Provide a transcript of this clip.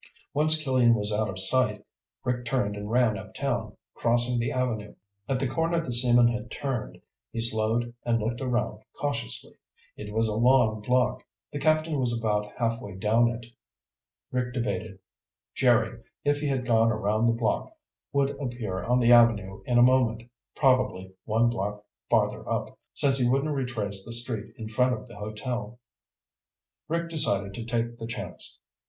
Once Killian was out of sight, Rick turned and ran uptown, crossing the avenue. At the corner the seaman had turned, he slowed and looked around cautiously. It was a long block. The captain was about halfway down it. Rick debated. Jerry, if he had gone around the block, would appear on the avenue in a moment, probably one block farther up, since he wouldn't retrace the street in front of the hotel. Rick decided to take the chance.